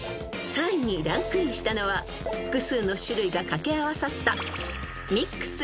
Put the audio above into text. ［３位にランクインしたのは複数の種類が掛け合わさった］